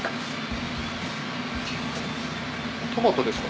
トマトですか？